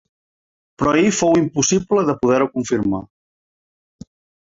Però ahir fou impossible de poder-ho confirmar.